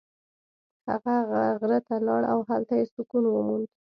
هغه غره ته لاړ او هلته یې سکون وموند.